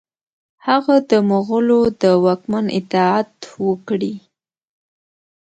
هغه د مغولو د واکمن اطاعت وکړي.